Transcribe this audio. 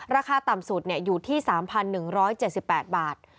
ราคาต่ำสุดอยู่ที่๓๑๗๘บาท